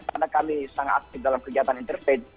karena kami sangat aktif dalam kegiatan interfaith